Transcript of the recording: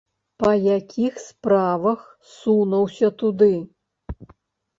Па якіх справах сунуўся туды?